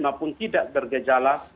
maupun tidak bergejala